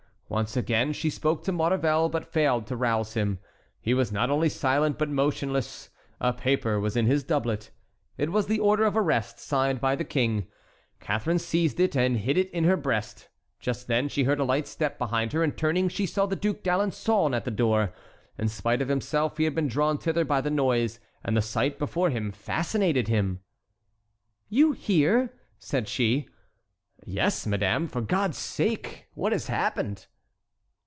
Once again she spoke to Maurevel, but failed to rouse him; he was not only silent but motionless; a paper was in his doublet. It was the order of arrest signed by the King. Catharine seized it and hid it in her breast. Just then she heard a light step behind her, and turning, she saw the Duc d'Alençon at the door. In spite of himself he had been drawn thither by the noise, and the sight before him fascinated him. "You here?" said she. "Yes, madame. For God's sake what has happened?"